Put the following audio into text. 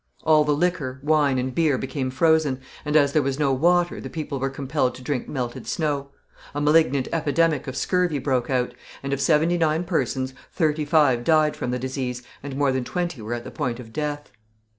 All the liquor, wine and beer became frozen, and as there was no water the people were compelled to drink melted snow. A malignant epidemic of scurvy broke out, and of seventy nine persons thirty five died from the disease and more than twenty were at the point of death.